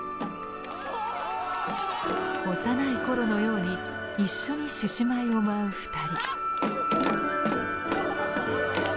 幼い頃のように一緒に獅子舞を舞う２人。